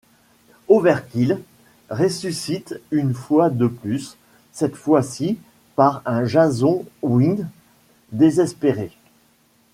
Overkill ressuscite une fois de plus, cette fois-ci par un Jason Wynn désespéré.